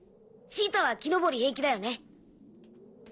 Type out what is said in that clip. シータは木登り平気だよね。